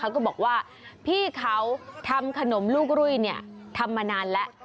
ก็บอกว่าพี่เขาทำขนมลูกรุ่ยทำมานานแล้ว